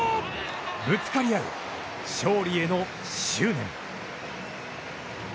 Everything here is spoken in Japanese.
ぶつかり合う勝利への執念。